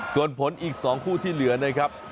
ส่วนผลอีก๒คู่ที่เหลือนะครับ